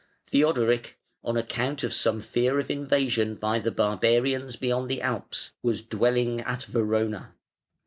Theodoric, on account of some fear of invasion by the barbarians beyond the Alps, was dwelling at Verona.